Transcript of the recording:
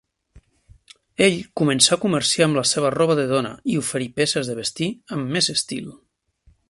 Ell començà a comerciar amb la seva roba de dona i oferir peces de vestir amb més estil.